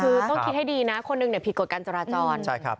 คือต้องคิดให้ดีนะคนหนึ่งผิดกฎการจราจร